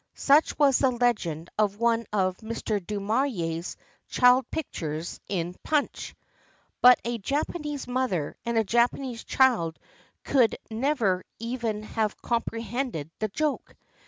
— such was the legend of one of Mr. Du Maurier's child pictures in "Punch" — but a Japanese mother and a Japanese child could never even have comprehended the joke.